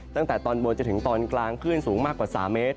ตั้งแต่ตอนบนจนถึงตอนกลางคลื่นสูงมากกว่า๓เมตร